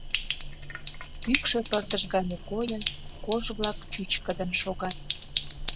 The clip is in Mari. Кӱкшӧ пырдыж гане койын, кож-влак чӱчкыдын шогат.